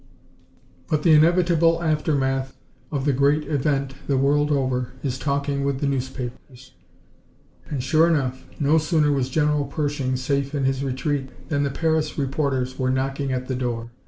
But the inevitable aftermath of the great event the world over is the talking with the newspapers. And sure enough, no sooner was General Pershing safe in his retreat than the Paris reporters were knocking at the door.